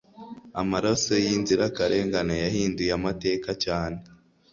amaraso yinzirakarengane yahinduye amateka cyane